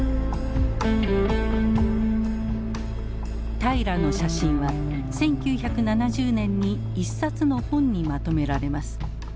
平良の写真は１９７０年に一冊の本にまとめられます。